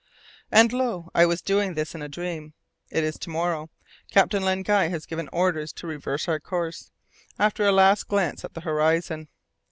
And lo! I was doing this in a dream. It is to morrow! Captain Len Guy has given orders to reverse our course, after a last glance at the horizon.